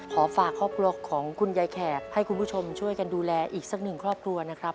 ขอฝากครอบครัวของคุณยายแขกให้คุณผู้ชมช่วยกันดูแลอีกสักหนึ่งครอบครัวนะครับ